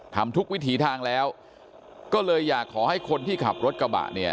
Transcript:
ทำทุกวิถีทางแล้วก็เลยอยากขอให้คนที่ขับรถกระบะเนี่ย